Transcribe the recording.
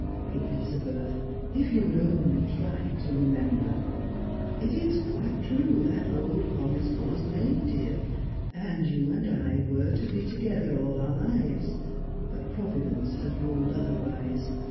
" Ehzabeth, if you would only try to remember. It is quite true that old promise was made, dear, and you and I were to be together all our lives. But Providence has ruled otherwise.